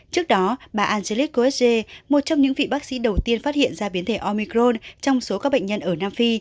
trước đó bà angelis kosge một trong những vị bác sĩ đầu tiên phát hiện ra biến thể omicron trong số các bệnh nhân ở nam phi